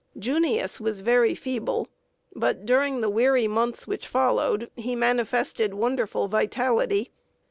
] "Junius" was very feeble; but during the weary months which followed, he manifested wonderful vitality.